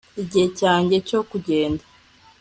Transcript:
Igihe cyanjye cyo kugenda